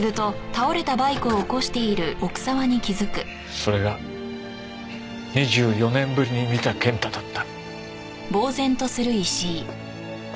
それが２４年ぶりに見た健太だった。